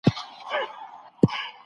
تاریخ باید د خپل وخت په شرایطو وڅېړل سي.